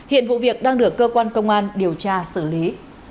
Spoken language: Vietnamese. hiện vụ việc đang được cơ quan công an điều tra xử lý